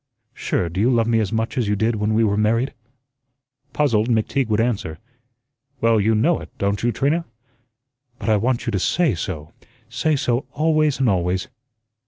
Sure, do you love me as much as you did when we were married?" Puzzled, McTeague would answer: "Well, you know it, don't you, Trina?" "But I want you to SAY so; say so always and always."